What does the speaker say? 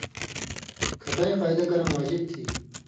کھَٹیں قاعدہ کرٶں واجب تھی۔